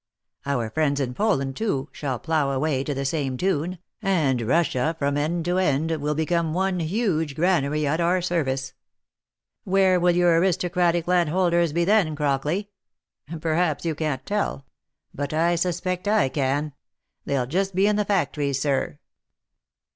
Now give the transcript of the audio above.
Our friends in Poland, too, shall plough away to the same tune, and Russia, from end to end, will become one huge granary at our service. Where will your aristocratic landholders be then, Crockley? Perhaps you can't tell? but I suspect lean. They'll just be in the factories, sir.